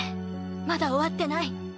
まだ終わってない。